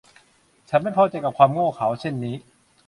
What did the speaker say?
ฉันไม่พอใจกับความโง่เขลาเช่นนี้